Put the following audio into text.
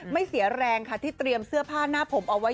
ไม่เสียแรงค่ะที่เตรียมเสื้อผ้าหน้าผมเอาไว้